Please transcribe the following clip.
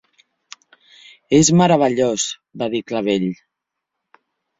"És meravellós", va dir Clavell.